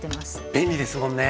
便利ですもんね。